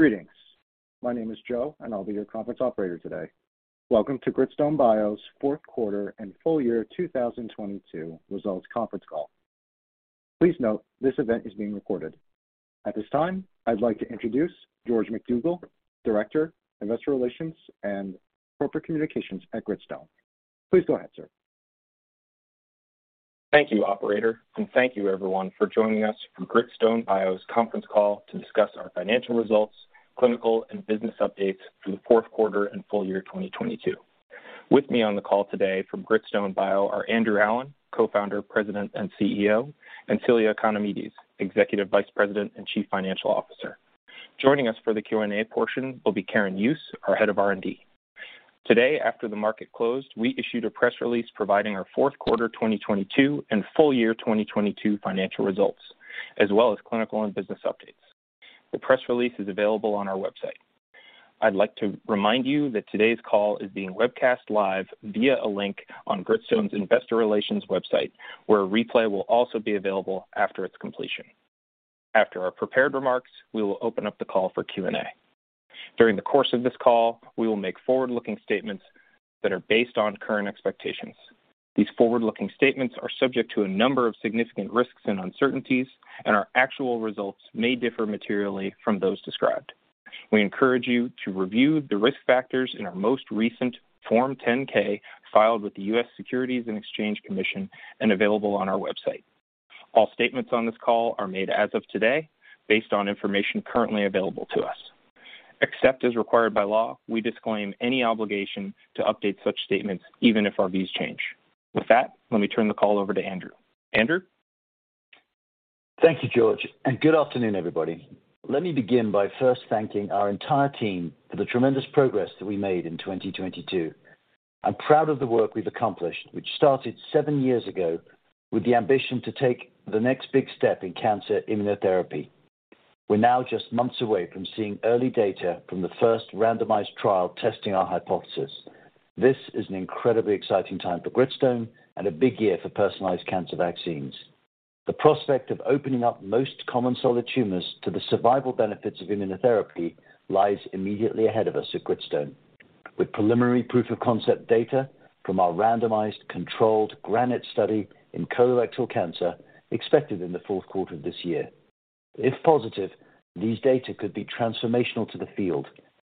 Greetings. My name is Joe, and I'll be your conference operator today. Welcome to Gritstone bio's fourth quarter and full year 2022 results conference call. Please note, this event is being recorded. At this time, I'd like to introduce George MacDougall, Director, Investor Relations and Corporate Communications at Gritstone. Please go ahead, sir. Thank you, operator, and thank you everyone for joining us for Gritstone bio's conference call to discuss our financial results, clinical, and business updates for the 4th quarter and full year 2022. With me on the call today from Gritstone bio are Andrew Allen, Co-Founder, President, and CEO; and Celia Economides, Executive Vice President and Chief Financial Officer. Joining us for the Q&A portion will be Karin Jooss, our Head of R&D. Today, after the market closed, we issued a press release providing our 4th quarter 2022 and full year 2022 financial results, as well as clinical and business updates. The press release is available on our website. I'd like to remind you that today's call is being webcast live via a link on Gritstone's investor relations website, where a replay will also be available after its completion. After our prepared remarks, we will open up the call for Q&A. During the course of this call, we will make forward-looking statements that are based on current expectations. These forward-looking statements are subject to a number of significant risks and uncertainties. Our actual results may differ materially from those described. We encourage you to review the risk factors in our most recent Form 10-K filed with the US Securities and Exchange Commission and available on our website. All statements on this call are made as of today based on information currently available to us. Except as required by law, we disclaim any obligation to update such statements, even if our views change. With that, let me turn the call over to Andrew. Andrew? Thank you, George, good afternoon, everybody. Let me begin by first thanking our entire team for the tremendous progress that we made in 2022. I'm proud of the work we've accomplished, which started seven years ago with the ambition to take the next big step in cancer immunotherapy. We're now just months away from seeing early data from the first randomized trial testing our hypothesis. This is an incredibly exciting time for Gritstone and a big year for personalized cancer vaccines. The prospect of opening up most common solid tumors to the survival benefits of immunotherapy lies immediately ahead of us at Gritstone, with preliminary proof of concept data from our randomized controlled GRANITE study in colorectal cancer expected in the fourth quarter of this year. If positive, these data could be transformational to the field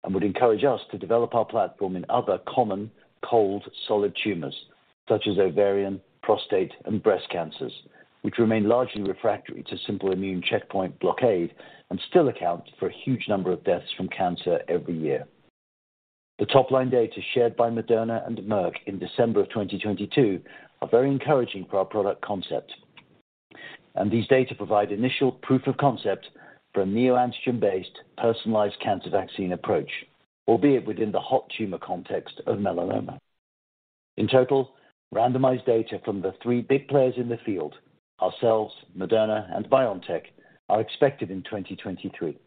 and would encourage us to develop our platform in other common cold solid tumors such as ovarian, prostate, and breast cancers, which remain largely refractory to simple immune checkpoint blockade and still account for a huge number of deaths from cancer every year. The top-line data shared by Moderna and Merck in December of 2022 are very encouraging for our product concept. These data provide initial proof of concept for a neoantigen-based personalized cancer vaccine approach, albeit within the hot tumor context of melanoma. In total, randomized data from the three big players in the field, ourselves, Moderna, and BioNTech, are expected in 2023.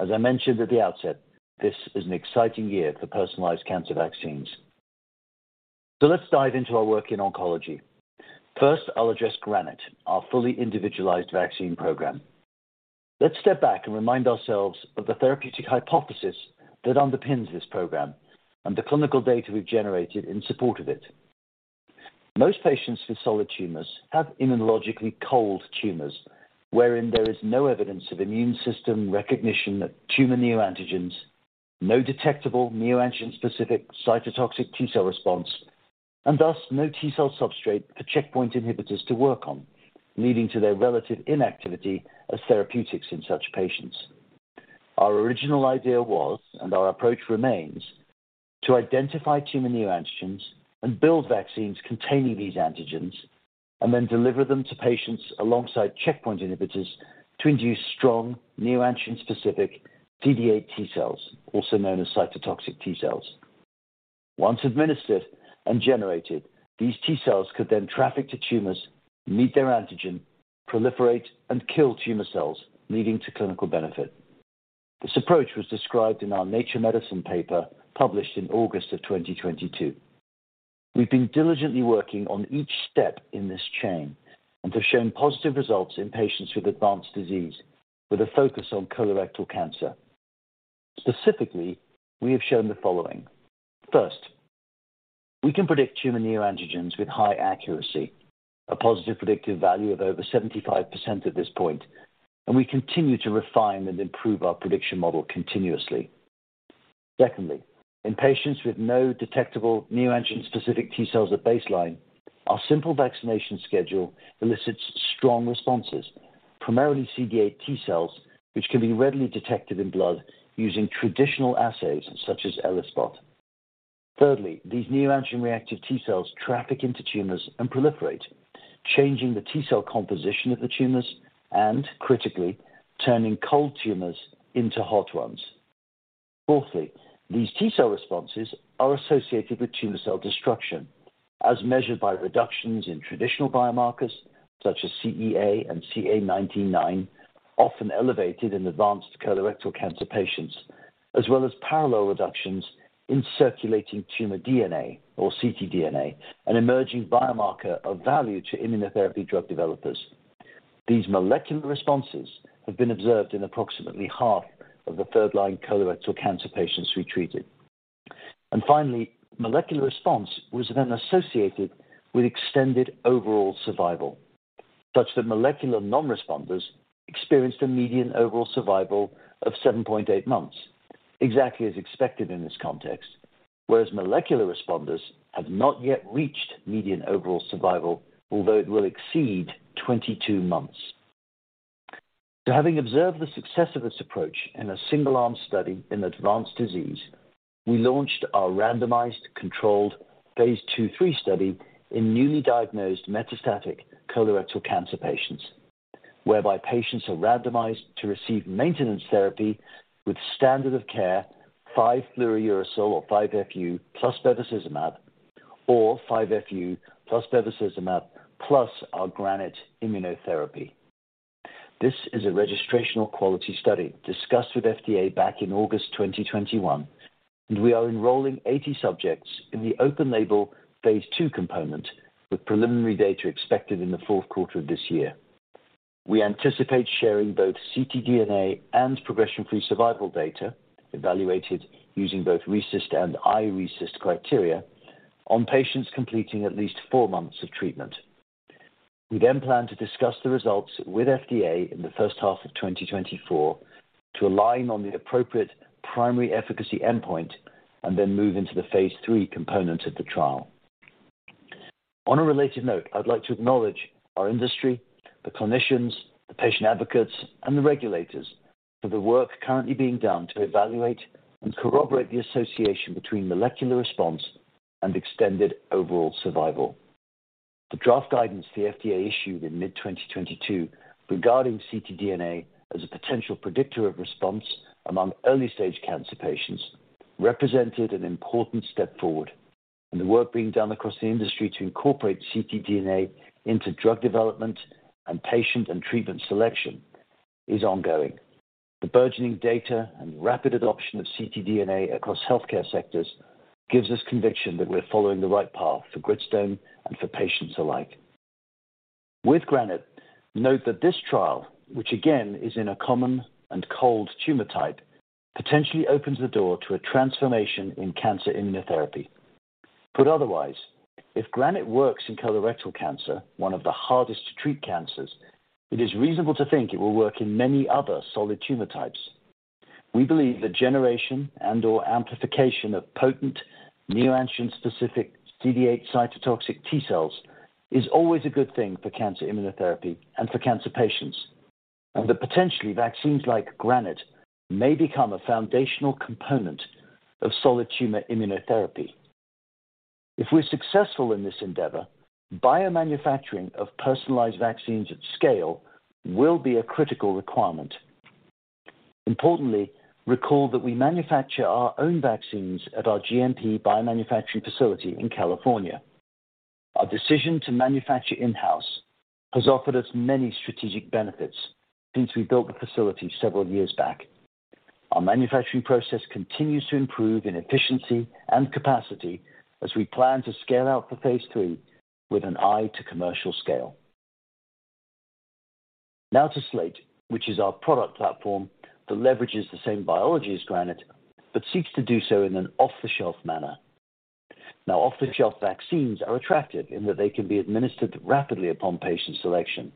As I mentioned at the outset, this is an exciting year for personalized cancer vaccines. Let's dive into our work in oncology. First, I'll address GRANITE, our fully individualized vaccine program. Let's step back and remind ourselves of the therapeutic hypothesis that underpins this program and the clinical data we've generated in support of it. Most patients with solid tumors have immunologically cold tumors wherein there is no evidence of immune system recognition of tumor neoantigens, no detectable neoantigen-specific cytotoxic T-cell response, and thus no T cell substrate for checkpoint inhibitors to work on, leading to their relative inactivity as therapeutics in such patients. Our original idea was, and our approach remains, to identify tumor neoantigens and build vaccines containing these antigens and then deliver them to patients alongside checkpoint inhibitors to induce strong neoantigen-specific CD8+ T cells, also known as cytotoxic T cells. Once administered and generated, these T cells could then traffic to tumors, meet their antigen, proliferate, and kill tumor cells, leading to clinical benefit. This approach was described in our Nature Medicine paper published in August of 2022. We've been diligently working on each step in this chain and have shown positive results in patients with advanced disease, with a focus on colorectal cancer. Specifically, we have shown the following. First, we can predict tumor neoantigens with high accuracy, a positive predictive value of over 75% at this point, and we continue to refine and improve our prediction model continuously. Secondly, in patients with no detectable neoantigen-specific T cells at baseline, our simple vaccination schedule elicits strong responses, primarily CD8+ T cells, which can be readily detected in blood using traditional assays such as ELISpot. Thirdly, these neoantigen-reactive T cells traffic into tumors and proliferate, changing the T cell composition of the tumors and, critically, turning cold tumors into hot ones. Fourthly, these T-cell responses are associated with tumor cell destruction, as measured by reductions in traditional biomarkers such as CEA and CA 19-9, often elevated in advanced colorectal cancer patients, as well as parallel reductions in circulating tumor DNA or ctDNA, an emerging biomarker of value to immunotherapy drug developers. These molecular responses have been observed in approximately half of the third-line colorectal cancer patients we treated. Finally, molecular response was then associated with extended overall survival, such that molecular non-responders experienced a median overall survival of 7.8 months, exactly as expected in this context. Whereas molecular responders have not yet reached median overall survival, although it will exceed 22 months. Having observed the success of this approach in a single-arm study in advanced disease, we launched our randomized controlled phase II/III study in newly diagnosed metastatic colorectal cancer patients, whereby patients are randomized to receive maintenance therapy with standard of care 5-fluorouracil, or 5-FU, plus bevacizumab or 5-FU plus bevacizumab plus our GRANITE immunotherapy. This is a registrational quality study discussed with FDA back in August 2021, and we are enrolling 80 subjects in the open label phase II component with preliminary data expected in the 4th quarter of this year. We anticipate sharing both ctDNA and progression-free survival data evaluated using both RECIST and iRECIST criteria on patients completing at least 4 months of treatment. We plan to discuss the results with FDA in the first half of 2024 to align on the appropriate primary efficacy endpoint and then move into the phase III component of the trial. On a related note, I'd like to acknowledge our industry, the clinicians, the patient advocates, and the regulators for the work currently being done to evaluate and corroborate the association between molecular response and extended overall survival. The draft guidance the FDA issued in mid-2022 regarding ctDNA as a potential predictor of response among early-stage cancer patients represented an important step forward. The work being done across the industry to incorporate ctDNA into drug development and patient and treatment selection is ongoing. The burgeoning data and rapid adoption of ctDNA across healthcare sectors gives us conviction that we're following the right path for Gritstone and for patients alike. With GRANITE, note that this trial, which again is in a common and cold tumor type, potentially opens the door to a transformation in cancer immunotherapy. Put otherwise, if GRANITE works in colorectal cancer, one of the hardest to treat cancers, it is reasonable to think it will work in many other solid tumor types. We believe the generation and/or amplification of potent neoantigen-specific CD8 cytotoxic T cells is always a good thing for cancer immunotherapy and for cancer patients, and that potentially vaccines like GRANITE may become a foundational component of solid tumor immunotherapy. If we're successful in this endeavor, biomanufacturing of personalized vaccines at scale will be a critical requirement. Importantly, recall that we manufacture our own vaccines at our GMP biomanufacturing facility in California. Our decision to manufacture in-house has offered us many strategic benefits since we built the facility several years back. Our manufacturing process continues to improve in efficiency and capacity as we plan to scale out for phase III with an eye to commercial scale. To SLATE, which is our product platform that leverages the same biology as GRANITE, but seeks to do so in an off-the-shelf manner. Off-the-shelf vaccines are attractive in that they can be administered rapidly upon patient selection.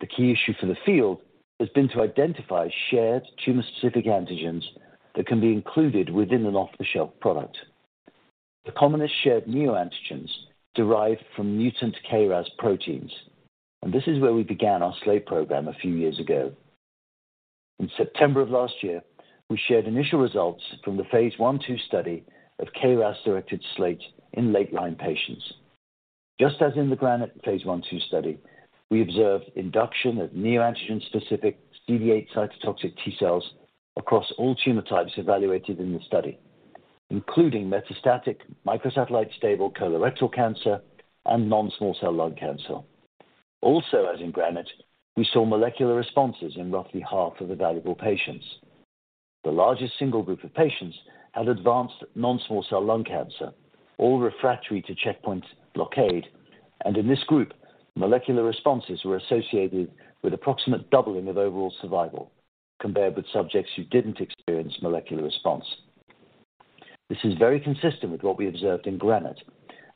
The key issue for the field has been to identify shared tumor-specific antigens that can be included within an off-the-shelf product. The commonest shared neoantigens derive from mutant KRAS proteins, and this is where we began our SLATE program a few years ago. In September of last year, we shared initial results from the phase I/II study of KRAS-directed SLATE in late-line patients. Just as in the GRANITE phase I/II study, we observed induction of neoantigen-specific CD8+ T cells across all tumor types evaluated in the study, including metastatic microsatellite stable colorectal cancer and non-small cell lung cancer. Also, as in GRANITE, we saw molecular responses in roughly half of evaluable patients. The largest single group of patients had advanced non-small cell lung cancer, all refractory to checkpoint blockade. In this group, molecular responses were associated with approximate doubling of overall survival compared with subjects who didn't experience molecular response. This is very consistent with what we observed in GRANITE,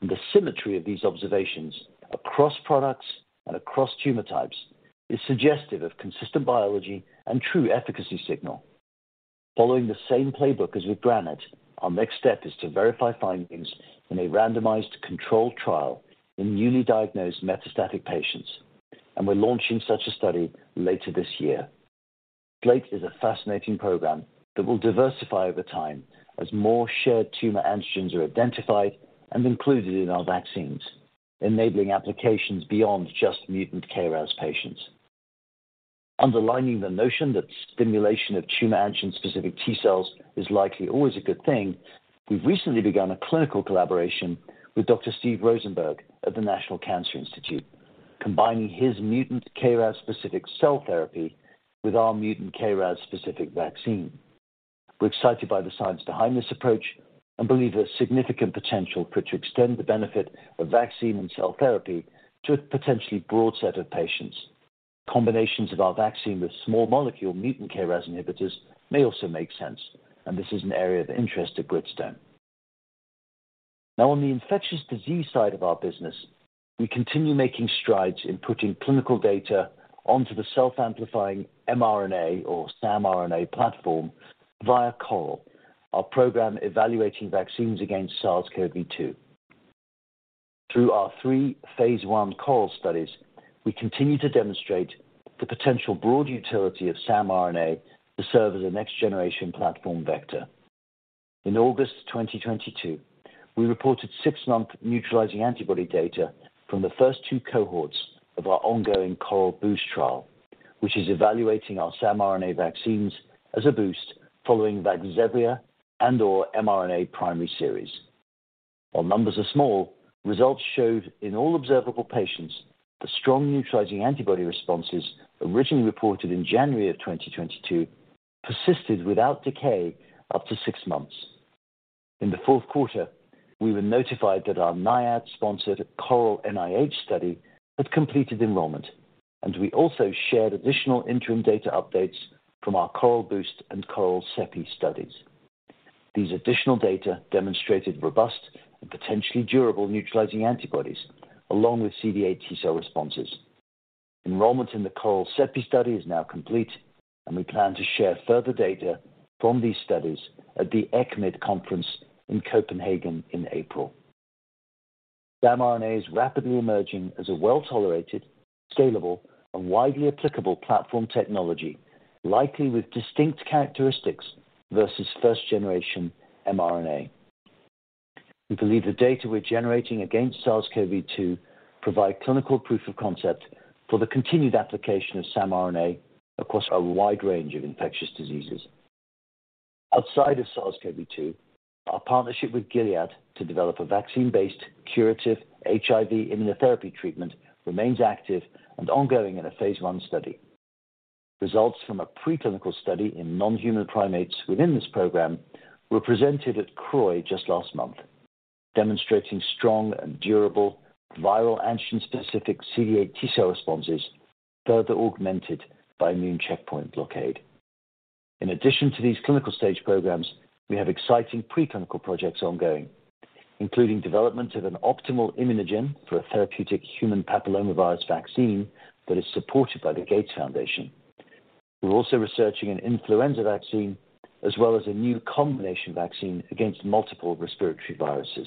and the symmetry of these observations across products and across tumor types is suggestive of consistent biology and true efficacy signal. Following the same playbook as with GRANITE, our next step is to verify findings in a randomized controlled trial in newly diagnosed metastatic patients. We're launching such a study later this year. SLATE is a fascinating program that will diversify over time as more shared tumor antigens are identified and included in our vaccines, enabling applications beyond just mutant KRAS patients. Underlining the notion that stimulation of tumor antigen-specific T cells is likely always a good thing, we've recently begun a clinical collaboration with Dr. Steve Rosenberg at the National Cancer Institute, combining his mutant KRAS-specific cell therapy with our mutant KRAS-specific vaccine. We're excited by the science behind this approach and believe there's significant potential for it to extend the benefit of vaccine and cell therapy to a potentially broad set of patients. Combinations of our vaccine with small molecule mutant KRAS inhibitors may also make sense, and this is an area of interest at Gritstone. On the infectious disease side of our business, we continue making strides in putting clinical data onto the self-amplifying mRNA or samRNA platform via CORAL, our program evaluating vaccines against SARS-CoV-2. Through our 3 phase I CORAL studies, we continue to demonstrate the potential broad utility of samRNA to serve as a next-generation platform vector. In August 2022, we reported 6-month neutralizing antibody data from the first 2 cohorts of our ongoing CORAL-BOOST trial, which is evaluating our samRNA vaccines as a boost following Vaxzevria and/or mRNA primary series. While numbers are small, results showed in all observable patients, the strong neutralizing antibody responses originally reported in January 2022 persisted without decay up to 6 months. In the fourth quarter, we were notified that our NIAID-sponsored CORAL-NIH study had completed enrollment. We also shared additional interim data updates from our CORAL-BOOST and CORAL-CEPI studies. These additional data demonstrated robust and potentially durable neutralizing antibodies along with CD8+ T-cell responses. Enrollment in the CORAL-CEPI study is now complete. We plan to share further data from these studies at the ECCMID Conference in Copenhagen in April. samRNA is rapidly emerging as a well-tolerated, scalable, and widely applicable platform technology, likely with distinct characteristics versus first generation mRNA. We believe the data we're generating against SARS-CoV-2 provide clinical proof of concept for the continued application of samRNA across a wide range of infectious diseases. Outside of SARS-CoV-2, our partnership with Gilead to develop a vaccine-based curative HIV immunotherapy treatment remains active and ongoing in a phase I study. Results from a preclinical study in non-human primates within this program were presented at CROI just last month, demonstrating strong and durable viral antigen-specific T-cells responses, further augmented by immune checkpoint blockade. In addition to these clinical stage programs, we have exciting preclinical projects ongoing, including development of an optimal immunogen for a therapeutic human papillomavirus vaccine that is supported by the Gates Foundation. We're also researching an influenza vaccine as well as a new combination vaccine against multiple respiratory viruses.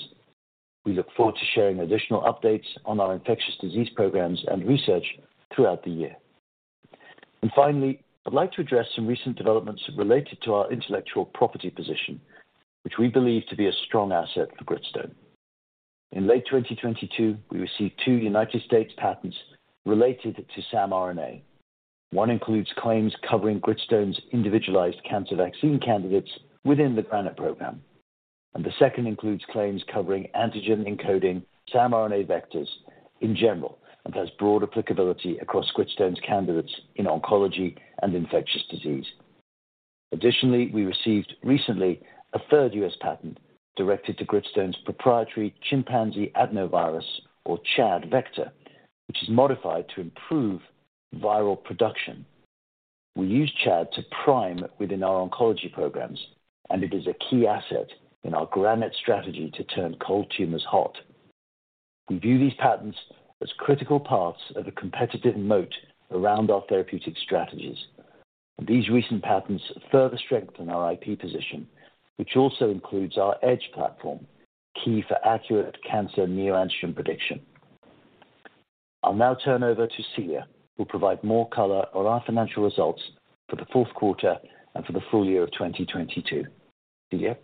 We look forward to sharing additional updates on our infectious disease programs and research throughout the year. Finally, I'd like to address some recent developments related to our intellectual property position, which we believe to be a strong asset for Gritstone. In late 2022, we received two United States patents related to samRNA. One includes claims covering Gritstone's individualized cancer vaccine candidates within the GRANITE program. The second includes claims covering antigen-encoding samRNA vectors in general and has broad applicability across Gritstone's candidates in oncology and infectious disease. Additionally, we received recently a third U.S. patent directed to Gritstone's proprietary chimpanzee adenovirus, or ChAd vector, which is modified to improve viral production. We use ChAd to prime within our oncology programs. It is a key asset in our GRANITE strategy to turn cold tumors hot. We view these patents as critical parts of a competitive moat around our therapeutic strategies. These recent patents further strengthen our IP position, which also includes our EDGE platform, key for accurate cancer neoantigen prediction. I'll now turn over to Celia, who'll provide more color on our financial results for the fourth quarter and for the full year of 2022. Celia?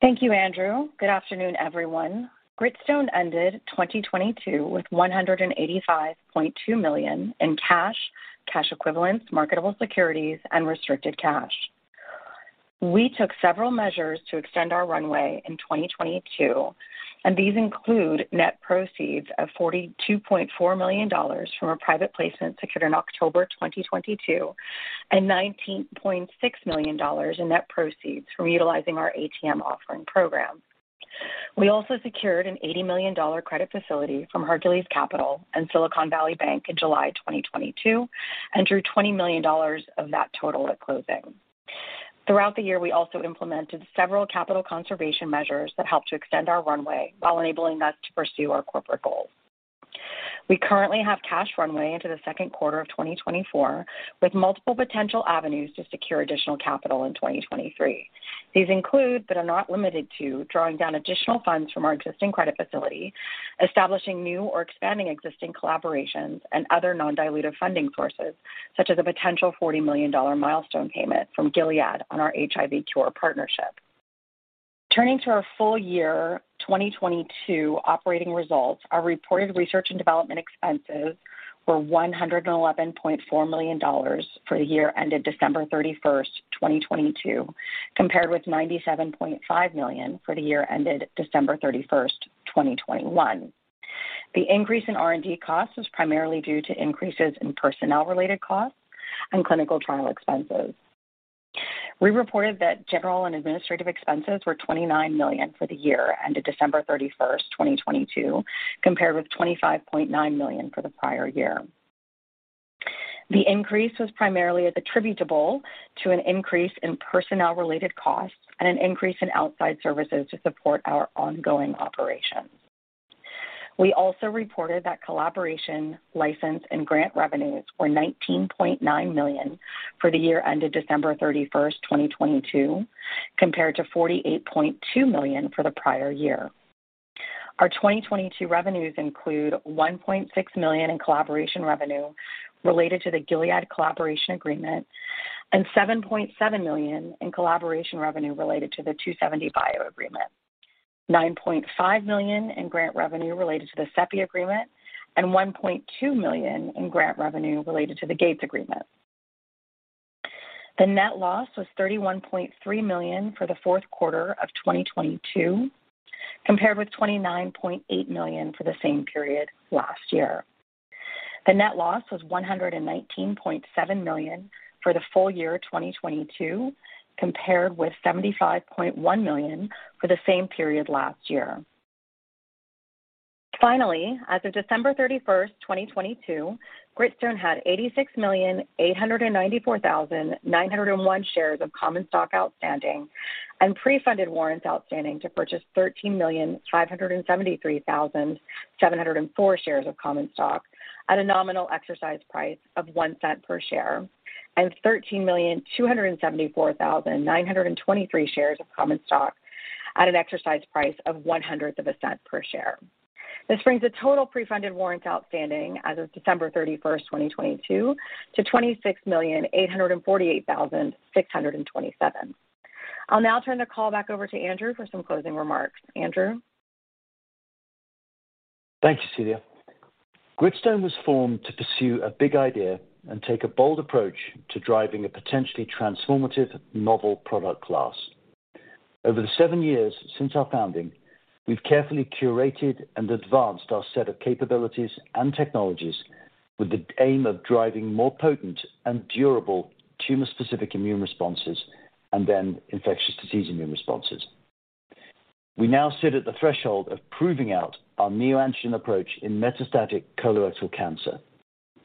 Thank you, Andrew. Good afternoon, everyone. Gritstone ended 2022 with $185.2 million in cash equivalents, marketable securities, and restricted cash. These include net proceeds of $42.4 million from a private placement secured in October 2022, and $19.6 million in net proceeds from utilizing our ATM offering program. We also secured an $80 million credit facility from Hercules Capital and Silicon Valley Bank in July 2022 and drew $20 million of that total at closing. Throughout the year, we also implemented several capital conservation measures that helped to extend our runway while enabling us to pursue our corporate goals. We currently have cash runway into the second quarter of 2024, with multiple potential avenues to secure additional capital in 2023. These include, but are not limited to, drawing down additional funds from our existing credit facility, establishing new or expanding existing collaborations, and other non-dilutive funding sources, such as a potential $40 million milestone payment from Gilead on our HIV cure partnership. Turning to our full year 2022 operating results, our reported research and development expenses were $111.4 million for the year ended December 31, 2022, compared with $97.5 million for the year ended December 31, 2021. The increase in R&D costs was primarily due to increases in personnel-related costs and clinical trial expenses. We reported that general and administrative expenses were $29 million for the year ended December 31, 2022, compared with $25.9 million for the prior year. The increase was primarily attributable to an increase in personnel-related costs and an increase in outside services to support our ongoing operations. We also reported that collaboration, license, and grant revenues were $19.9 million for the year ended December 31, 2022, compared to $48.2 million for the prior year. Our 2022 revenues include $1.6 million in collaboration revenue related to the Gilead collaboration agreement and $7.7 million in collaboration revenue related to the 2seventy bio agreement. $9.5 million in grant revenue related to the CEPI agreement, and $1.2 million in grant revenue related to the Gates agreement. The net loss was $31.3 million for the fourth quarter of 2022, compared with $29.8 million for the same period last year. The net loss was $119.7 million for the full year 2022, compared with $75.1 million for the same period last year. Finally, as of December 31, 2022, Gritstone had 86,894,901 shares of common stock outstanding and pre-funded warrants outstanding to purchase 13,573,704 shares of common stock at a nominal exercise price of $0.01 per share and 13,274,923 shares of common stock at an exercise price of $0.0001 per share. This brings the total pre-funded warrants outstanding as of December 31, 2022 to 26,848,627. I'll now turn the call back over to Andrew for some closing remarks. Andrew? Thank you, Celia. Gritstone was formed to pursue a big idea and take a bold approach to driving a potentially transformative novel product class. Over the 7 years since our founding, we've carefully curated and advanced our set of capabilities and technologies with the aim of driving more potent and durable tumor-specific immune responses and then infectious disease immune responses. We now sit at the threshold of proving out our neoantigen approach in metastatic colorectal cancer,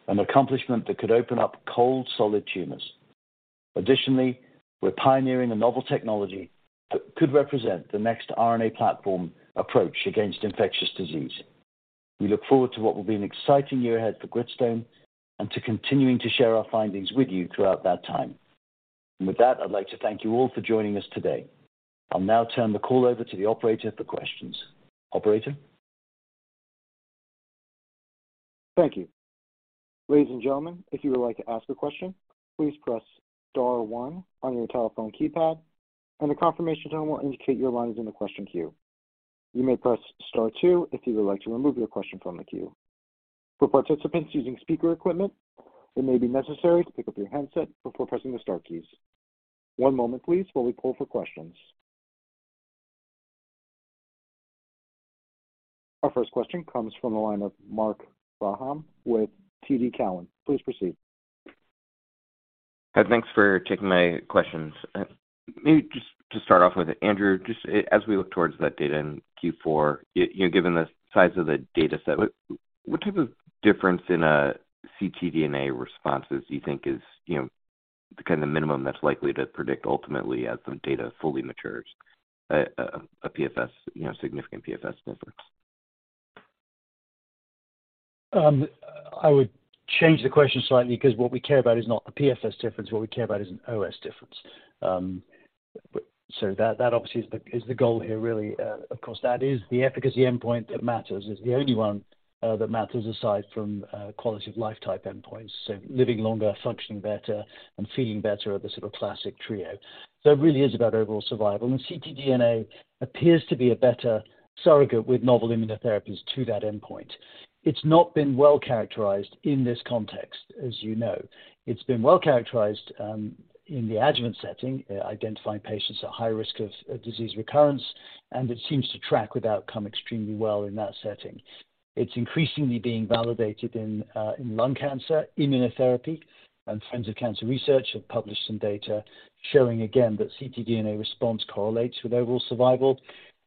an accomplishment that could open up cold, solid tumors. Additionally, we're pioneering a novel technology that could represent the next RNA platform approach against infectious disease. We look forward to what will be an exciting year ahead for Gritstone and to continuing to share our findings with you throughout that time. With that, I'd like to thank you all for joining us today. I'll now turn the call over to the operator for questions. Operator? Thank you. Ladies and gentlemen, if you would like to ask a question, please press star one on your telephone keypad, and a confirmation tone will indicate your line is in the question queue. You may press star two if you would like to remove your question from the queue. For participants using speaker equipment, it may be necessary to pick up your handset before pressing the star keys. One moment please while we poll for questions. Our first question comes from the line of Marc Frahm with TD Cowen. Please proceed. Thanks for taking my questions. Maybe just to start off with, Andrew, as we look towards that data in Q4, you know, given the size of the dataset, what type of difference in ctDNA responses do you think is, you know, the kind of minimum that's likely to predict ultimately as some data fully matures, a PFS, you know, significant PFS difference? I would change the question slightly because what we care about is not the PFS difference. What we care about is an OS difference. That obviously is the goal here, really. Of course, that is the efficacy endpoint that matters. It's the only one that matters aside from quality-of-life-type endpoints. Living longer, functioning better, and feeling better are the sort of classic trio. It really is about overall survival, and ctDNA appears to be a better surrogate with novel immunotherapies to that endpoint. It's not been well-characterized in this context, as you know. It's been well-characterized in the adjuvant setting, identifying patients at high risk of disease recurrence, and it seems to track with outcome extremely well in that setting. It's increasingly being validated in lung cancer immunotherapy, and Friends of Cancer Research have published some data showing again that ctDNA response correlates with overall survival.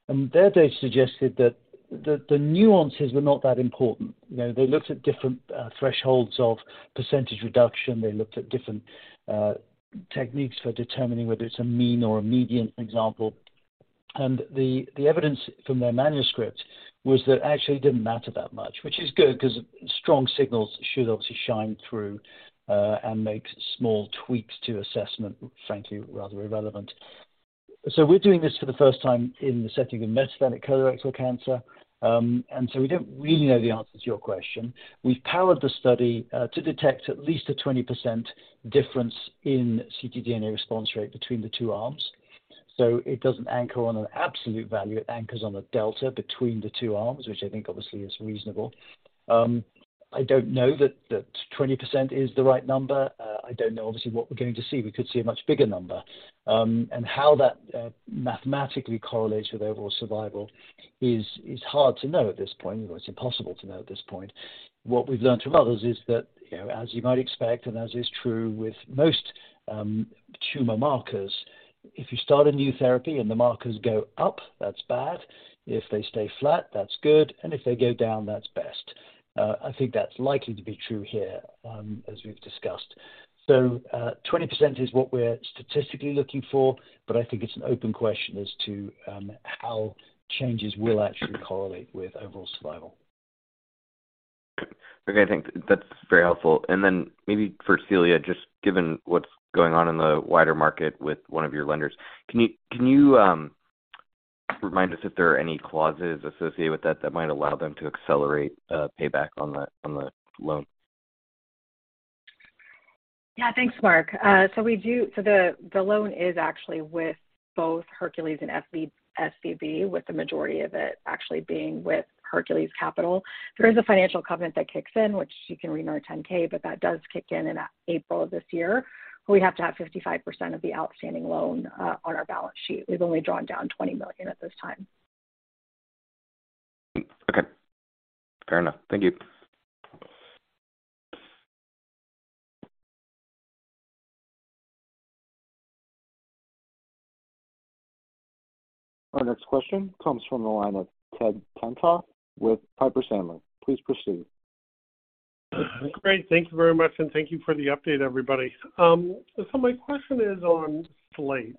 Their data suggested that the nuances were not that important. You know, they looked at different thresholds of percentage reduction. They looked at different techniques for determining whether it's a mean or a median, for example. The evidence from their manuscript was that actually it didn't matter that much, which is good 'cause strong signals should obviously shine through and make small tweaks to assessment, frankly, rather irrelevant. We're doing this for the first time in the setting of metastatic colorectal cancer, we don't really know the answer to your question. We've powered the study to detect at least a 20% difference in ctDNA response rate between the two arms. It doesn't anchor on an absolute value, it anchors on a delta between the two arms, which I think obviously is reasonable. I don't know that 20% is the right number. I don't know obviously what we're going to see. We could see a much bigger number. How that mathematically correlates with overall survival is hard to know at this point, or it's impossible to know at this point. What we've learned from others is that, you know, as you might expect, and as is true with most tumor markers, if you start a new therapy and the markers go up, that's bad. If they stay flat, that's good. If they go down, that's best. I think that's likely to be true here, as we've discussed. 20% is what we're statistically looking for, but I think it's an open question as to how changes will actually correlate with overall survival. Okay. I think that's very helpful. Then maybe for Celia, just given what's going on in the wider market with one of your lenders, can you remind us if there are any clauses associated with that might allow them to accelerate payback on the loan? Thanks, Marc. The loan is actually with both Hercules and SVB, with the majority of it actually being with Hercules Capital. There is a financial covenant that kicks in, which you can read in our 10-K, that does kick in April of this year. We have to have 55% of the outstanding loan on our balance sheet. We've only drawn down $20 million at this time. Okay. Fair enough. Thank you. Our next question comes from the line of Ted Tenthoff with Piper Sandler. Please proceed. Great. Thank you very much, and thank you for the update, everybody. My question is on SLATE.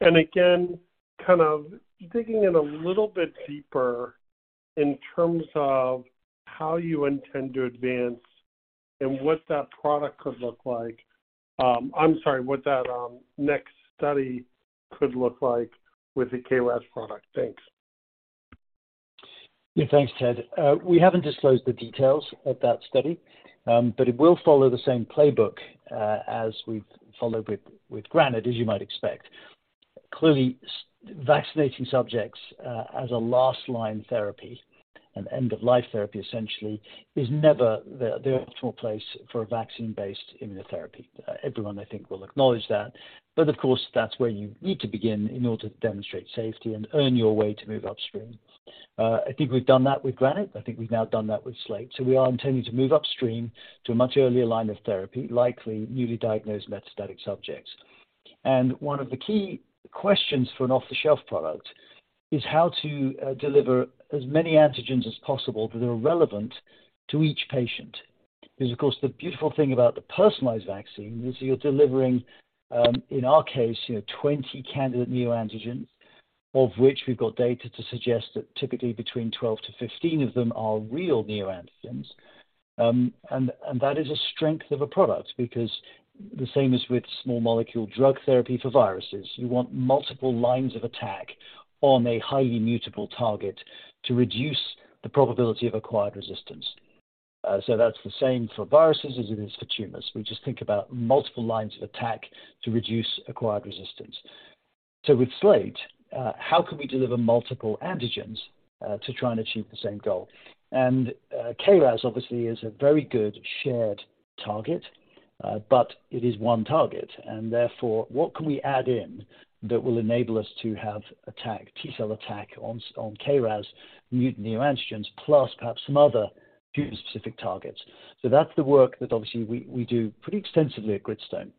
Again, kind of digging in a little bit deeper in terms of how you intend to advance and what that product could look like. I'm sorry, what that next study could look like with the KRAS product. Thanks. Yeah, thanks, Ted. We haven't disclosed the details of that study, but it will follow the same playbook, as we've followed with GRANITE, as you might expect. Clearly, vaccinating subjects, as a last line therapy and end of life therapy, essentially, is never the optimal place for a vaccine-based immunotherapy. Everyone, I think, will acknowledge that. Of course, that's where you need to begin in order to demonstrate safety and earn your way to move upstream. I think we've done that with GRANITE. I think we've now done that with SLATE. We are intending to move upstream to a much earlier line of therapy, likely newly diagnosed metastatic subjects. One of the key questions for an off-the-shelf product is how to deliver as many antigens as possible that are relevant to each patient. Of course, the beautiful thing about the personalized vaccine is you're delivering, in our case, you know, 20 candidate neoantigens, of which we've got data to suggest that typically between 12-15 of them are real neoantigens. That is a strength of a product because the same as with small molecule drug therapy for viruses, you want multiple lines of attack on a highly mutable target to reduce the probability of acquired resistance. That's the same for viruses as it is for tumors. We just think about multiple lines of attack to reduce acquired resistance. With SLATE, how can we deliver multiple antigens, to try and achieve the same goal? KRAS obviously is a very good shared target, but it is one target, and therefore, what can we add in that will enable us to have attack, T-cell attack on KRAS mutant neoantigens, plus perhaps some other tumor-specific targets. That's the work that obviously we do pretty extensively at Gritstone.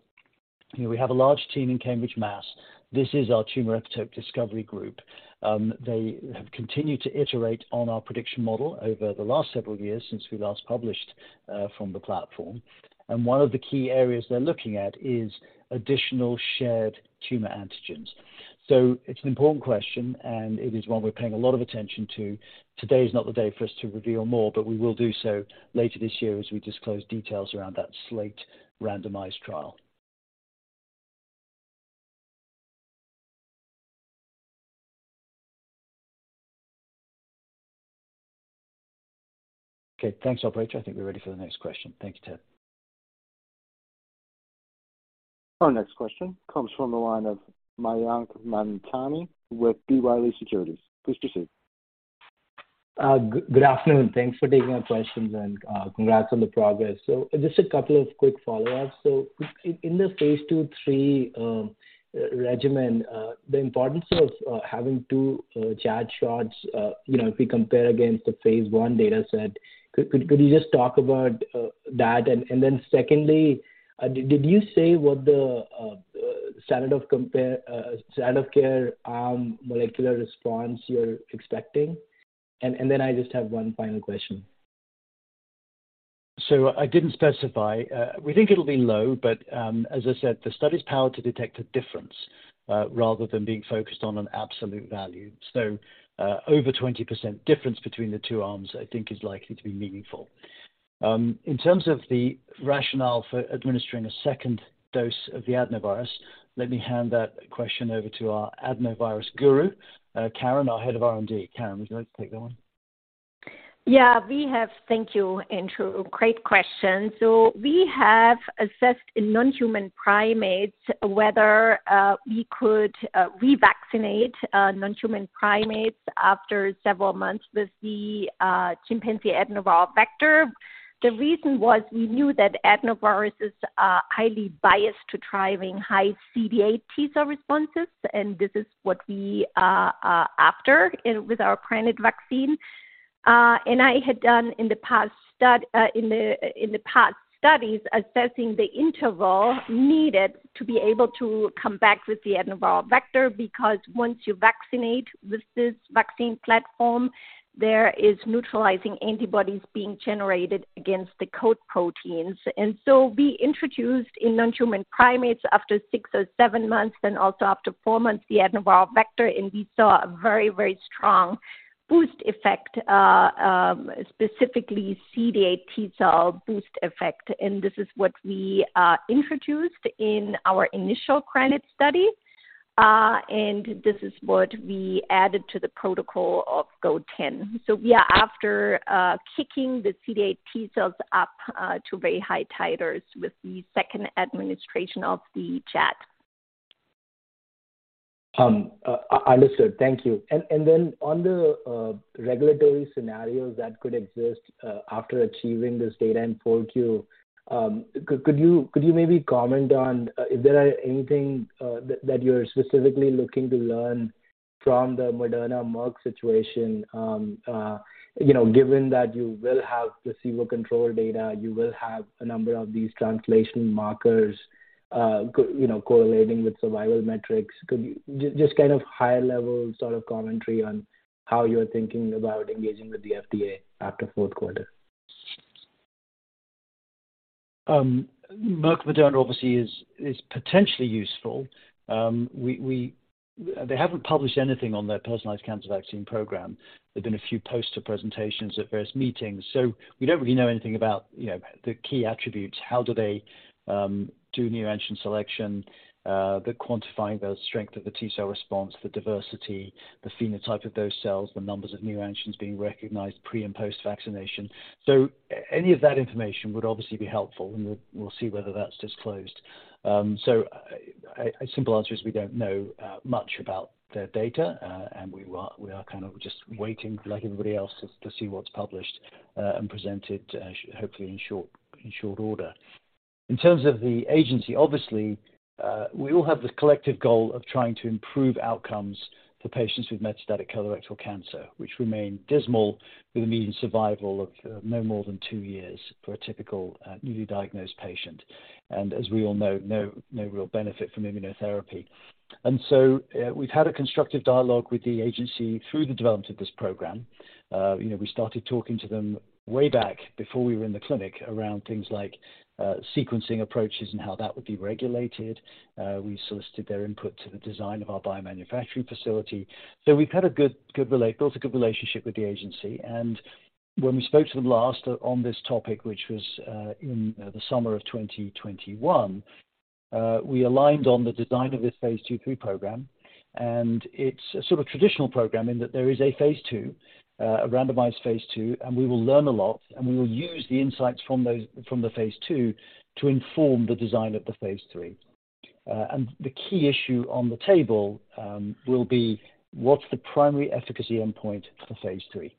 You know, we have a large team in Cambridge, Mass. This is our tumor epitope discovery group. They have continued to iterate on our prediction model over the last several years since we last published from the platform. One of the key areas they're looking at is additional shared tumor antigens. It's an important question, and it is one we're paying a lot of attention to. Today is not the day for us to reveal more. We will do so later this year as we disclose details around that SLATE randomized trial. Okay. Thanks, operator. I think we're ready for the next question. Thank you, Ted. Our next question comes from the line of Mayank Mamtani with B. Riley Securities. Please proceed. Good afternoon. Thanks for taking our questions, and congrats on the progress. Just a couple of quick follow-ups. In the phase II/III regimen, the importance of having 2 ChAd shots, you know, if we compare against the phase I data set, could you just talk about that? Secondly, did you say what the standard of care molecular response you're expecting? I just have one final question. I didn't specify. We think it'll be low, but as I said, the study is powered to detect a difference, rather than being focused on an absolute value. Over 20% difference between the 2 arms, I think is likely to be meaningful. In terms of the rationale for administering a second dose of the adenovirus, let me hand that question over to our adenovirus guru, Karin Jooss, our Head of R&D. Karin Jooss, would you like to take that one? Yeah, Thank you, Andrew. Great question. We have assessed in non-human primates whether we could revaccinate non-human primates after several months with the chimpanzee adenovirus vector. The reason was we knew that adenovirus is highly biased to driving high CD8+ T-cell responses, and this is what we after with our GRANITE vaccine. I had done in the past studies, assessing the interval needed to be able to come back with the adenovirus vector, because once you vaccinate with this vaccine platform, there is neutralizing antibodies being generated against the code proteins. We introduced in non-human primates after 6 or 7 months, then also after 4 months, the adenovirus vector, and we saw a very, very strong boost effect, specifically CD8+ T cell boost effect. This is what we introduced in our initial GRANITE study. This is what we added to the protocol of GO-010. We are after kicking the CD8+ T cells up to very high titers with the second administration of the ChAd. Understood. Thank you. Then on the regulatory scenarios that could exist after achieving this data in 4Q, could you maybe comment on, is there anything that you're specifically looking to learn from the Moderna Merck situation, you know, given that you will have placebo control data, you will have a number of these translation markers, you know, correlating with survival metrics. Could you just kind of high level sort of commentary on how you're thinking about engaging with the FDA after fourth quarter. Merck Moderna obviously is potentially useful. They haven't published anything on their personalized cancer vaccine program. There's been a few poster presentations at various meetings, so we don't really know anything about, you know, the key attributes. How do they do neoantigen selection, the quantifying the strength of the T-cell response, the diversity, the phenotype of those cells, the numbers of neoantigens being recognized pre and post-vaccination. Any of that information would obviously be helpful, and we'll see whether that's disclosed. A simple answer is we don't know much about their data, and we are kind of just waiting like everybody else to see what's published and presented hopefully in short, in short order. In terms of the agency, obviously, we all have the collective goal of trying to improve outcomes for patients with metastatic colorectal cancer, which remain dismal with a median survival of no more than two years for a typical, newly diagnosed patient. As we all know, no real benefit from immunotherapy. We've had a constructive dialogue with the agency through the development of this program. You know, we started talking to them way back before we were in the clinic around things like sequencing approaches and how that would be regulated. We solicited their input to the design of our biomanufacturing facility. We've had a good, built a good relationship with the agency. When we spoke to them last on this topic, which was in the summer of 2021, we aligned on the design of this phase II/III program, and it's a sort of traditional program in that there is a phase II, a randomized phase II, and we will learn a lot, and we will use the insights from the phase II to inform the design of the phase III. The key issue on the table will be what's the primary efficacy endpoint for phase III?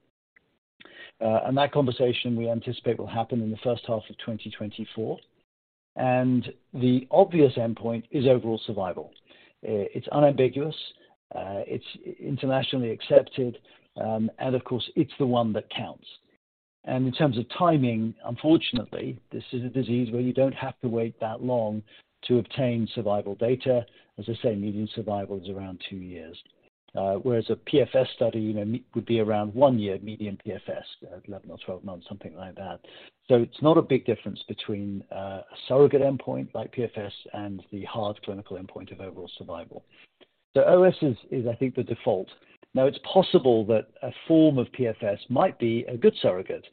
That conversation we anticipate will happen in the first half of 2024. The obvious endpoint is overall survival. It's unambiguous, it's internationally accepted, and of course, it's the one that counts. In terms of timing, unfortunately, this is a disease where you don't have to wait that long to obtain survival data. As I say, median survival is around 2 years. whereas a PFS study, you know, would be around 1 year, median PFS, 11 or 12 months, something like that. It's not a big difference between a surrogate endpoint like PFS and the hard clinical endpoint of overall survival. OS is, I think, the default. It's possible that a form of PFS might be a good surrogate,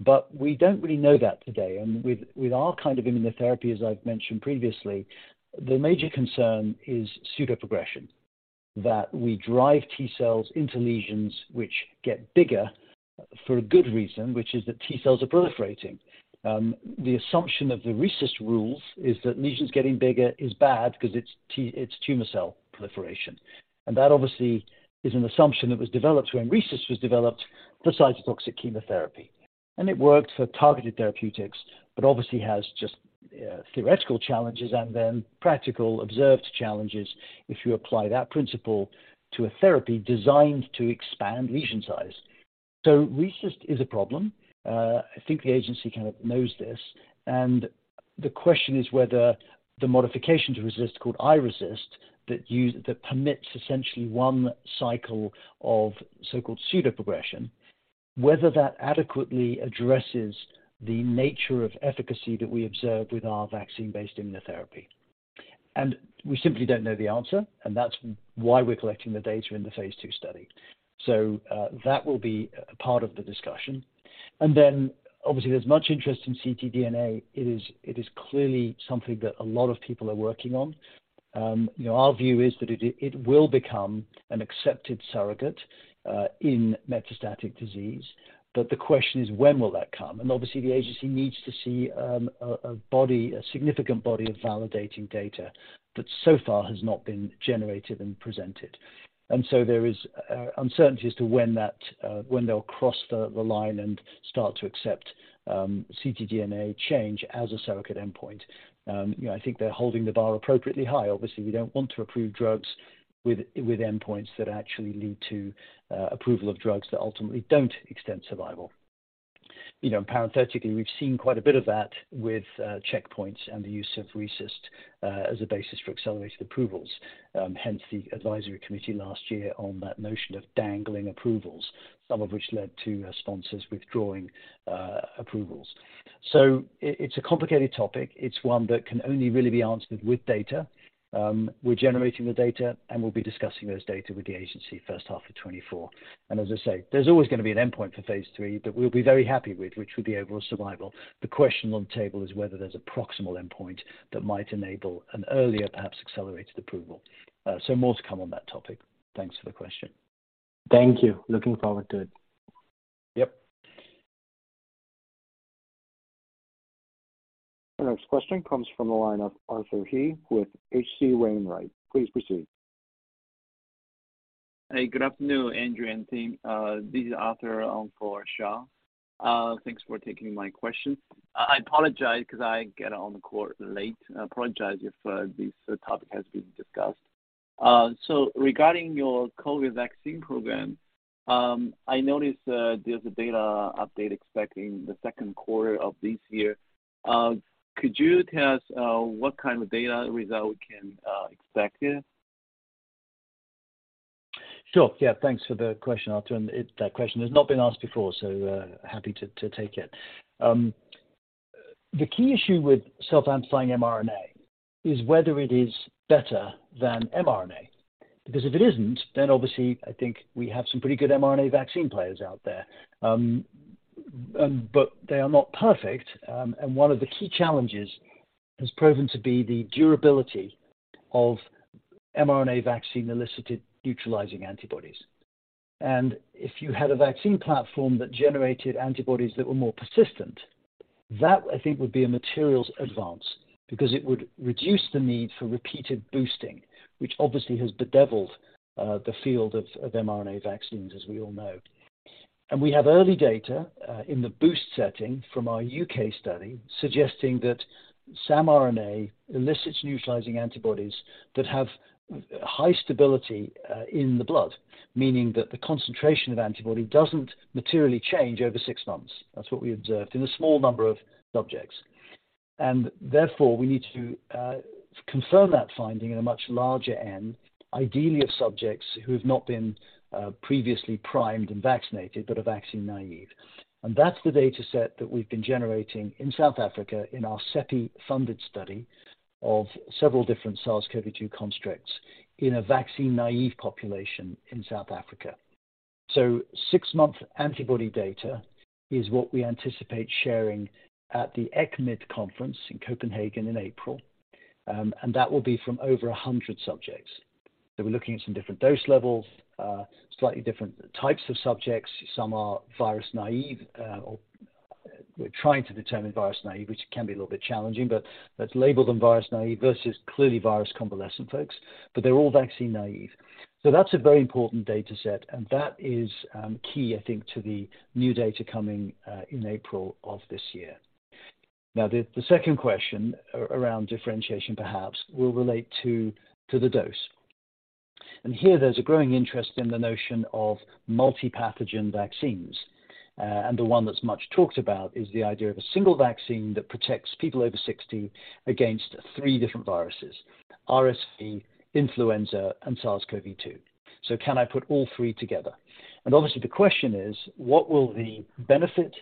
but we don't really know that today. With our kind of immunotherapy, as I've mentioned previously, the major concern is pseudoprogression. That we drive T cells into lesions which get bigger for a good reason, which is that T cells are proliferating. The assumption of the RECIST rules is that lesions getting bigger is bad 'cause it's tumor cell proliferation. That obviously is an assumption that was developed when RECIST was developed for cytotoxic chemotherapy. It worked for targeted therapeutics, but obviously has just theoretical challenges and then practical observed challenges if you apply that principle to a therapy designed to expand lesion size. RECIST is a problem. I think the agency kind of knows this. The question is whether the modification to RECIST called iRECIST, that permits essentially one cycle of so-called pseudoprogression, whether that adequately addresses the nature of efficacy that we observe with our vaccine-based immunotherapy. We simply don't know the answer, and that's why we're collecting the data in the phase II study. That will be a part of the discussion. Obviously, there's much interest in ctDNA. It is clearly something that a lot of people are working on. you know, our view is that it will become an accepted surrogate in metastatic disease. The question is when will that come? Obviously, the agency needs to see a body, a significant body of validating data that so far has not been generated and presented. There is uncertainty as to when that when they'll cross the line and start to accept ctDNA change as a surrogate endpoint. you know, I think they're holding the bar appropriately high. Obviously, we don't want to approve drugs with endpoints that actually lead to approval of drugs that ultimately don't extend survival. You know, parenthetically, we've seen quite a bit of that with checkpoints and the use of RECIST as a basis for accelerated approvals. Hence the advisory committee last year on that notion of dangling approvals, some of which led to sponsors withdrawing approvals. It's a complicated topic. It's one that can only really be answered with data. We're generating the data, and we'll be discussing those data with the agency first half of 2024. As I say, there's always gonna be an endpoint for phase III that we'll be very happy with, which would be overall survival. The question on the table is whether there's a proximal endpoint that might enable an earlier, perhaps accelerated approval. More to come on that topic. Thanks for the question. Thank you. Looking forward to it. Yep. Our next question comes from the line of Arthur He with H.C. Wainwright. Please proceed. Good afternoon, Andrew and team. This is Arthur for Shaw. Thanks for taking my question. I apologize 'cause I get on the call late. I apologize if this topic has been discussed. Regarding your COVID vaccine program, I noticed there's a data update expecting the second quarter of this year. Could you tell us what kind of data result we can expect here? Sure. Yeah. Thanks for the question, Arthur. It that question has not been asked before, so happy to take it. The key issue with self-amplifying mRNA is whether it is better than mRNA. If it isn't, then obviously I think we have some pretty good mRNA vaccine players out there. They are not perfect. One of the key challenges has proven to be the durability of mRNA vaccine-elicited neutralizing antibodies. If you had a vaccine platform that generated antibodies that were more persistent, that I think would be a materials advance because it would reduce the need for repeated boosting, which obviously has bedeviled the field of mRNA vaccines, as we all know. We have early data in the boost setting from our U.K. study suggesting that samRNA elicits neutralizing antibodies that have high stability in the blood, meaning that the concentration of antibody doesn't materially change over 6 months. That's what we observed in a small number of subjects. Therefore, we need to confirm that finding in a much larger end, ideally of subjects who have not been previously primed and vaccinated, but are vaccine naive. That's the data set that we've been generating in South Africa in our CEPI-funded study of several different SARS-CoV-2 constructs in a vaccine-naive population in South Africa. 6-month antibody data is what we anticipate sharing at the ECCMID conference in Copenhagen in April, and that will be from over 100 subjects. We're looking at some different dose levels, slightly different types of subjects. Some are virus naive, or we're trying to determine virus naive, which can be a little bit challenging, but let's label them virus naive versus clearly virus convalescent folks. They're all vaccine naive. That's a very important data set, and that is key I think to the new data coming in April of this year. The second question around differentiation perhaps will relate to the dose. Here there's a growing interest in the notion of multi-pathogen vaccines. The one that's much talked about is the idea of a single vaccine that protects people over 60 against 3 different viruses: RSV, influenza, and SARS-CoV-2. Can I put all 3 together? Obviously the question is: What will the benefit,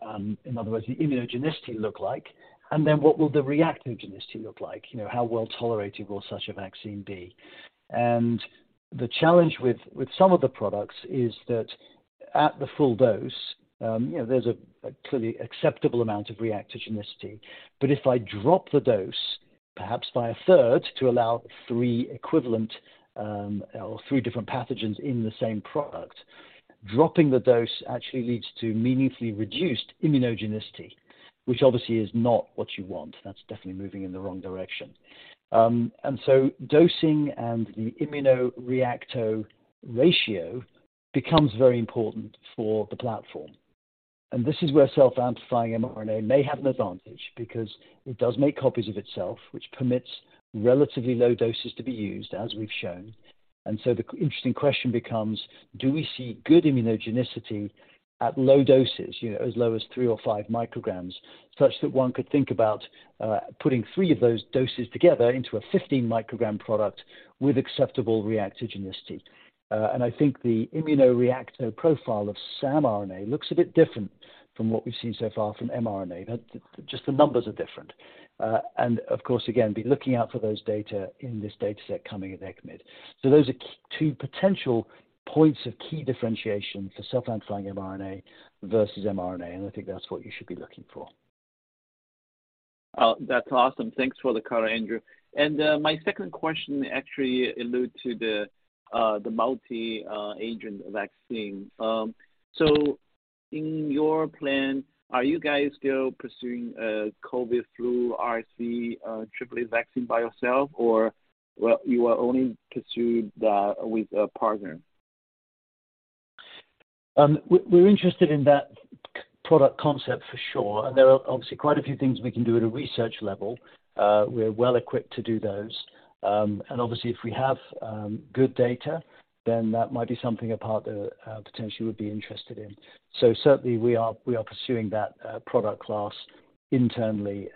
in other words, the immunogenicity look like? What will the reactogenicity look like? You know, how well tolerated will such a vaccine be? The challenge with some of the products is that at the full dose, you know, there's a clearly acceptable amount of reactogenicity. If I drop the dose, perhaps by a third to allow three equivalent or three different pathogens in the same product, dropping the dose actually leads to meaningfully reduced immunogenicity, which obviously is not what you want. That's definitely moving in the wrong direction. So dosing and the immuno-reacto ratio becomes very important for the platform. This is where self-amplifying mRNA may have an advantage because it does make copies of itself, which permits relatively low doses to be used, as we've shown. The interesting question becomes: Do we see good immunogenicity at low doses, you know, as low as 3 or 5 micrograms, such that one could think about putting 3 of those doses together into a 15 microgram product with acceptable reactogenicity? I think the immuno-reacto profile of samRNA looks a bit different from what we've seen so far from mRNA. The just the numbers are different. Of course, again, be looking out for those data in this data set coming at ECCMID. Those are 2 potential points of key differentiation for self-amplifying mRNA versus mRNA, and I think that's what you should be looking for. Oh, that's awesome. Thanks for the color, Andrew. My second question actually allude to the multi-agent vaccine. In your plan, are you guys still pursuing COVID, flu, RSV, triple A vaccine by yourself or, you are only pursuing that with a partner? We're interested in that product concept for sure. There are obviously quite a few things we can do at a research level. We're well equipped to do those. Obviously, if we have good data, then that might be something a partner potentially would be interested in. Certainly we are pursuing that product class internally,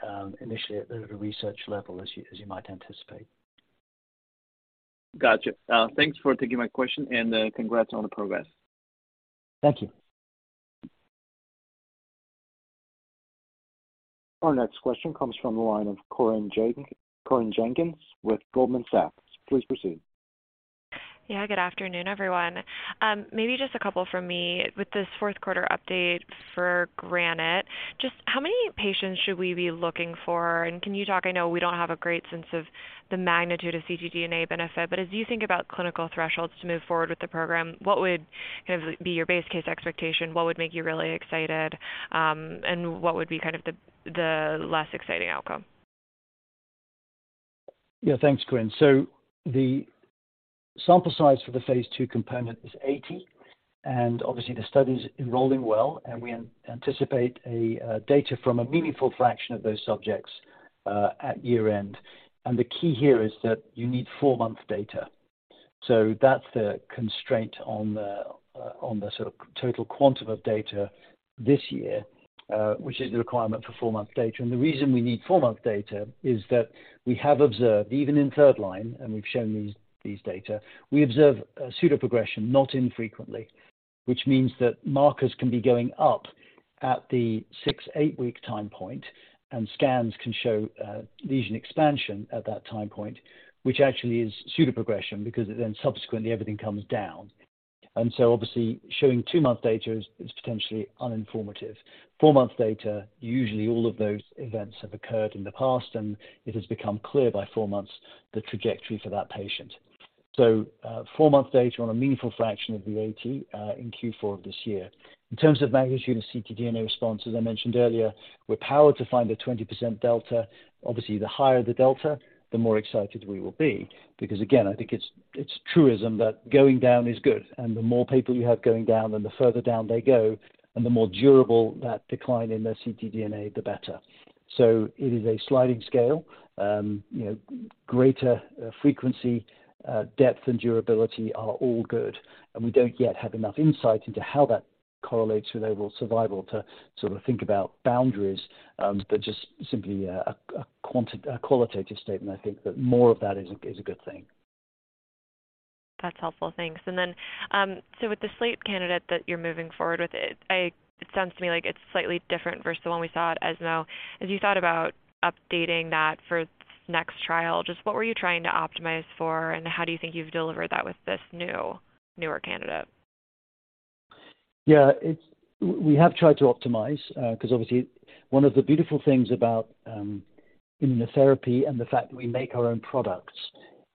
initially at the research level, as you might anticipate. Gotcha. Thanks for taking my question. Congrats on the progress. Thank you. Our next question comes from the line of Corinne Jenkins with Goldman Sachs. Please proceed. Yeah, good afternoon, everyone. Maybe just a couple from me. With this fourth quarter update for GRANITE, just how many patients should we be looking for? I know we don't have a great sense of the magnitude of ctDNA benefit, but as you think about clinical thresholds to move forward with the program, what would kind of be your base case expectation? What would make you really excited? What would be kind of the less exciting outcome? Thanks, Corinne. The sample size for the phase II component is 80, obviously the study's enrolling well, we anticipate data from a meaningful fraction of those subjects at year-end. The key here is that you need 4-month data. That's the constraint on the sort of total quantum of data this year, which is the requirement for 4-month data. The reason we need 4-month data is that we have observed, even in 3rd line, and we've shown these data, we observe a pseudo-progression, not infrequently, which means that markers can be going up at the 6, 8-week time point, and scans can show lesion expansion at that time point, which actually is pseudo-progression because subsequently everything comes down. Obviously showing 2-month data is potentially uninformative. 4-month data, usually all of those events have occurred in the past, and it has become clear by 4 months the trajectory for that patient. 4-month data on a meaningful fraction of the 80 in Q4 of this year. In terms of magnitude of ctDNA response, as I mentioned earlier, we're powered to find a 20% delta. Obviously, the higher the delta, the more excited we will be because again, I think it's truism that going down is good and the more people you have going down and the further down they go and the more durable that decline in their ctDNA, the better. It is a sliding scale. You know, greater frequency, depth and durability are all good. We don't yet have enough insight into how that correlates with overall survival to sort of think about boundaries, but just simply a qualitative statement, I think that more of that is a good thing. That's helpful. Thanks. With the SLATE candidate that you're moving forward with, it sounds to me like it's slightly different versus the one we saw at ESMO. As you thought about updating that for next trial, just what were you trying to optimize for, and how do you think you've delivered that with this newer candidate? Yeah. We have tried to optimize, 'cause obviously one of the beautiful things about immunotherapy and the fact that we make our own products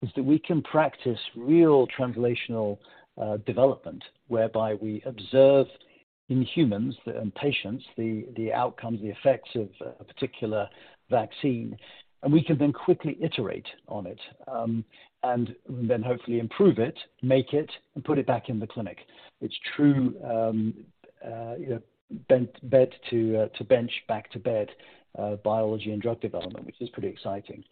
is that we can practice real translational development whereby we observe in humans and patients the outcomes, the effects of a particular vaccine, and we can then quickly iterate on it and then hopefully improve it, make it, and put it back in the clinic. It's true, you know, bed to bench, back to bed, biology and drug development, which is pretty exciting.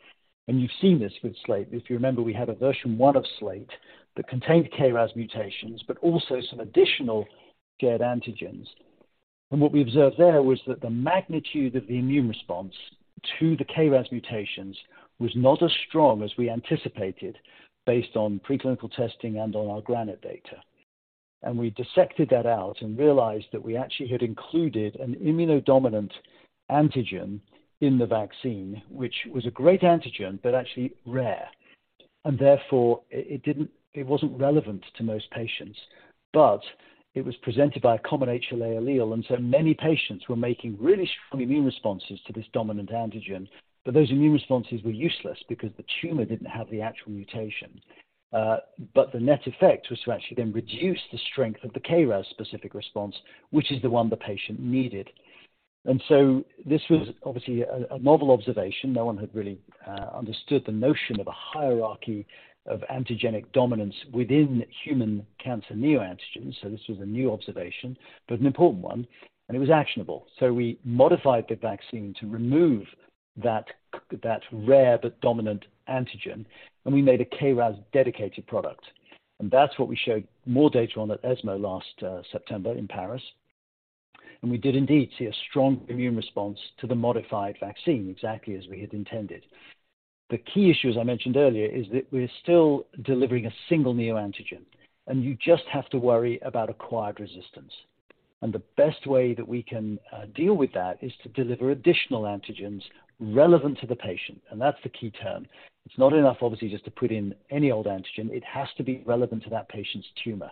You've seen this with SLATE. If you remember, we had a version 1 of SLATE that contained KRAS mutations, but also some additional shared antigens. What we observed there was that the magnitude of the immune response to the KRAS mutations was not as strong as we anticipated based on preclinical testing and on our GRANITE data. We dissected that out and realized that we actually had included an immunodominant antigen in the vaccine, which was a great antigen, but actually rare. Therefore, it wasn't relevant to most patients. It was presented by a common HLA allele, and so many patients were making really strong immune responses to this dominant antigen. Those immune responses were useless because the tumor didn't have the actual mutation. The net effect was to actually then reduce the strength of the KRAS specific response, which is the one the patient needed. This was obviously a novel observation. No one had really understood the notion of a hierarchy of antigenic dominance within human cancer neoantigens. This was a new observation, but an important one, and it was actionable. We modified the vaccine to remove that rare but dominant antigen, and we made a KRAS dedicated product. That's what we showed more data on at ESMO last September in Paris. We did indeed see a strong immune response to the modified vaccine exactly as we had intended. The key issue, as I mentioned earlier, is that we're still delivering a single neoantigen, and you just have to worry about acquired resistance. The best way that we can deal with that is to deliver additional antigens relevant to the patient, and that's the key term. It's not enough, obviously, just to put in any old antigen. It has to be relevant to that patient's tumor.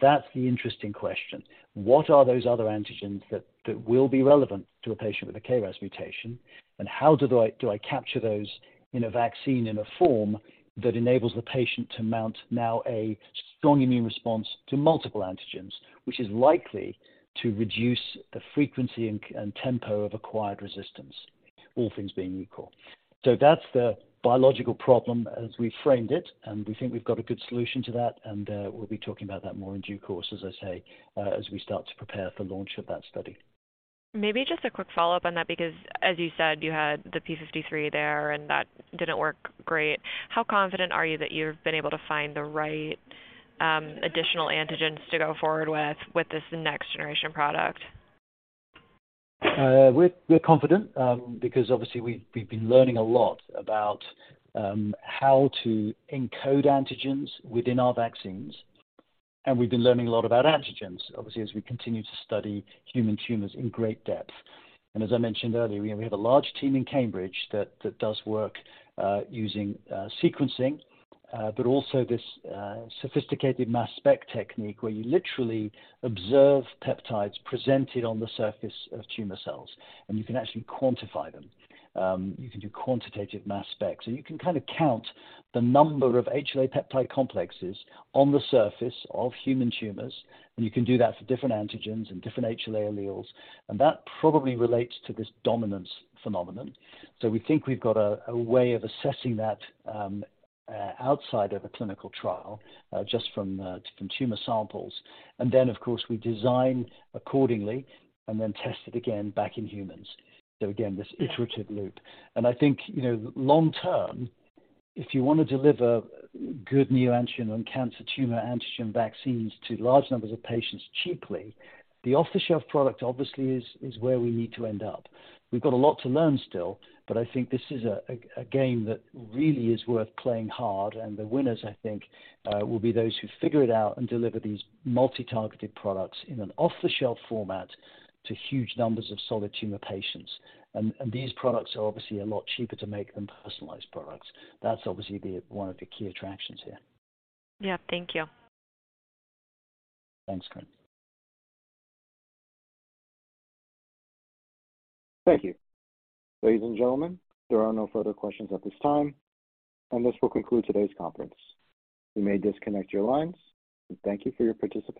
That's the interesting question, what are those other antigens that will be relevant to a patient with a KRAS mutation? How do I capture those in a vaccine in a form that enables the patient to mount now a strong immune response to multiple antigens, which is likely to reduce the frequency and tempo of acquired resistance, all things being equal. That's the biological problem as we framed it, and we think we've got a good solution to that, and we'll be talking about that more in due course, as I say, as we start to prepare for launch of that study. Maybe just a quick follow-up on that, because as you said, you had the p53 there, and that didn't work great. How confident are you that you've been able to find the right additional antigens to go forward with this next generation product? We're confident, because obviously we've been learning a lot about how to encode antigens within our vaccines. We've been learning a lot about antigens, obviously, as we continue to study human tumors in great depth. As I mentioned earlier, we have a large team in Cambridge that does work, using sequencing, but also this sophisticated mass spec technique where you literally observe peptides presented on the surface of tumor cells, and you can actually quantify them. You can do quantitative mass specs, and you can kinda count the number of HLA peptide complexes on the surface of human tumors, and you can do that for different antigens and different HLA alleles, and that probably relates to this dominance phenomenon. We think we've got a way of assessing that outside of a clinical trial, just from tumor samples. Then, of course, we design accordingly and then test it again back in humans. Again, this iterative loop. I think, you know, long term, if you wanna deliver good neoantigen and cancer tumor antigen vaccines to large numbers of patients cheaply, the off-the-shelf product obviously is where we need to end up. We've got a lot to learn still, but I think this is a game that really is worth playing hard, and the winners, I think, will be those who figure it out and deliver these multi-targeted products in an off-the-shelf format to huge numbers of solid tumor patients. These products are obviously a lot cheaper to make than personalized products. That's obviously one of the key attractions here. Yeah. Thank you. Thanks, Corinne. Thank you. Ladies and gentlemen, there are no further questions at this time. This will conclude today's conference. You may disconnect your lines. Thank you for your participation.